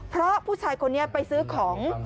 เพราะผู้ชายคนนี้ไปซื้อของ